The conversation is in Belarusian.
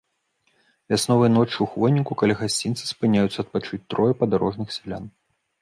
Вясновай ноччу ў хвойніку каля гасцінца спыняюцца адпачыць трое падарожных сялян.